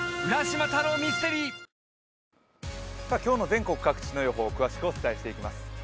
全国各地の予報を詳しくお伝えしていきます。